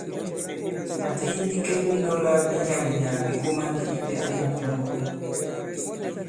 Pàti yi bikek bi nɔ̄lā bi nyaà-li-nyàà bī kōmā ndi itē àmu ǹnjɔŋgɔ.